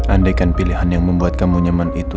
andaikan pilihan yang membuat kamu nyaman itu